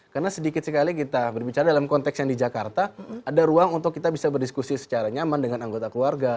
karena sedikit sekali kita berbicara dalam konteks yang di jakarta ada ruang untuk kita bisa berdiskusi secara nyaman dengan anggota keluarga